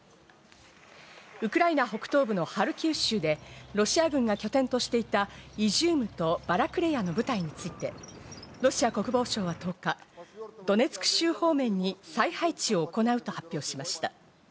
ウクライナ北東部のハルキウ州でロシア軍が拠点としていたイジュームとバラクレヤの部隊について、ロシア国防省は１０日、ドネツク州方面に再配置を行うと発表しました。